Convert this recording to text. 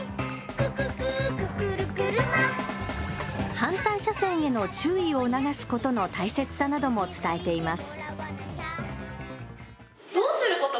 反対車線への注意も促すことの大切さなども伝えています。